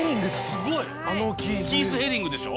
すごいキース・ヘリングでしょ。